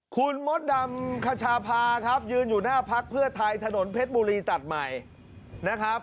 คุณมดดำคชาพาครับยืนอยู่หน้าพักเพื่อไทยถนนเพชรบุรีตัดใหม่นะครับ